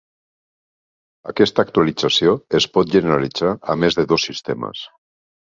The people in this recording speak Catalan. Aquesta actualització es pot generalitzar a més de dos sistemes.